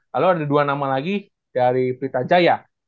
lalu ada dua nama lagi dari pelita jaya